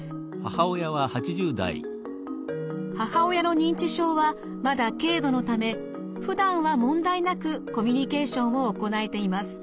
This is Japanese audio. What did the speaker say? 母親の認知症はまだ軽度のためふだんは問題なくコミュニケーションを行えています。